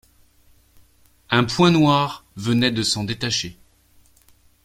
Un point noir venait de s’en détacher.